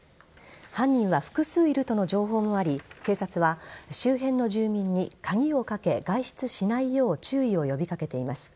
犯人は複数いるとの情報もあり警察は、周辺の住民に鍵をかけ外出しないよう注意を呼び掛けています。